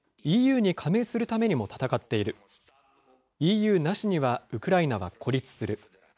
ＥＵに加盟するためにも戦っている、ＥＵなしにはウクライナは孤立する。